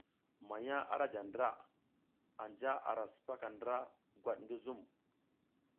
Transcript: Manya ara ja ndra, anja ara sipaka ndra gwat ngi zum.